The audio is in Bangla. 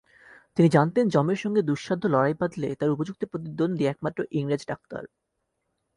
তিনি জানতেন যমের সঙ্গে দুঃসাধ্য লড়াই বাধলে তার উপযুক্ত প্রতিদ্বন্দ্বী একমাত্র ইংরেজ ডাক্তার।